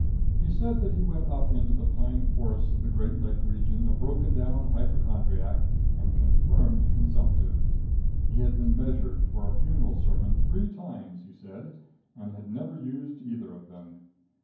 He said that he went up into the pine forests of the Great Lake region a broken down hypochondriac and confirmed consumptive. He had been measured for a funeral sermon three times, he said, and had never used either of them.